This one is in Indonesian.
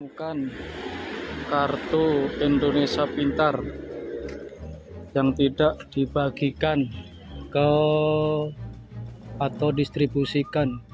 ditemukan kartu indonesia pintar yang tidak dibagikan atau distribusikan